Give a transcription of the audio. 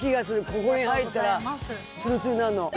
ここに入ったらツルツルになるの。